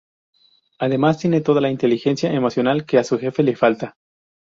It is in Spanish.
Además tiene toda la inteligencia emocional que a su jefe le falta.